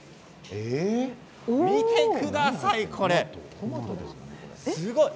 見てください、これ。